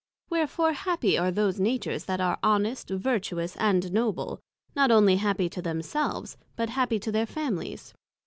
Wherefore, happy are those Natures that are Honest, Vertuous, and Noble; not only happy to themselves, but happy to their Families.